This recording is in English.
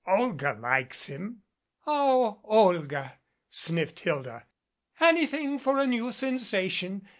"Olga likes him " "Oh, Olga " sniffed Hilda. "Anything for a new sensation.